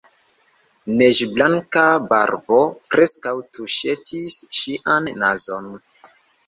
Neĝblanka barbo preskaŭ tuŝetis ŝian nazon.